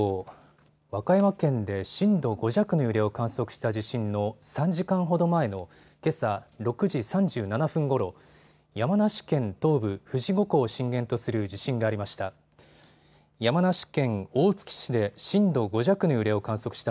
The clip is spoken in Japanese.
一方、和歌山県で震度５弱の揺れを観測した地震の３時間ほど前のけさ６時３７分ごろ、山梨県東部、富士五湖を震源とする地震がありました。